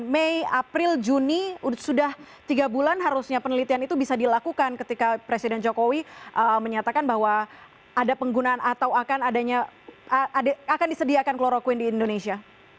mei april juni sudah tiga bulan harusnya penelitian itu bisa dilakukan ketika presiden jokowi menyatakan bahwa ada penggunaan atau akan disediakan kloroquine di indonesia